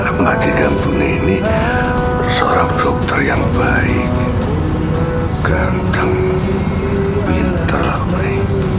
anak mati gampuni ini seorang dokter yang baik ganteng pinter ramai